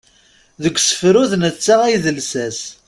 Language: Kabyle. Deg usefru d netta ay d lsas.